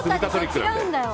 違うんだよ。